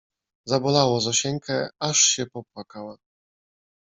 Zabolało Zosieńkę, aż się popłakała